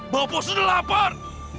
bopo sudah lapar